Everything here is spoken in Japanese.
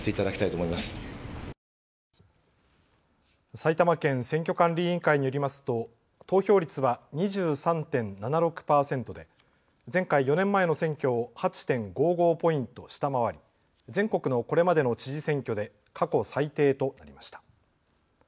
埼玉県選挙管理委員会によりますと投票率は２３．７６％で前回４年前の選挙を８．５５ポイント下回り全国のこれまでの知事選挙で過去最低となりました。